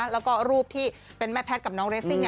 แล้วก็รูปที่เป็นแม่แพทย์กับน้องเรสซิ่ง